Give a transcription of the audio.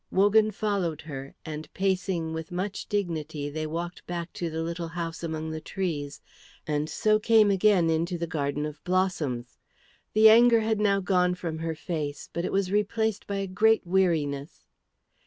Wogan followed her, and pacing with much dignity they walked back to the little house among the trees, and so came again into the garden of blossoms. The anger had now gone from her face, but it was replaced by a great weariness.